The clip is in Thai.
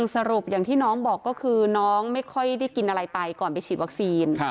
สรุปอย่างที่น้องบอกก็คือน้องไม่ค่อยได้กินอะไรไปก่อนไปฉีดวัคซีน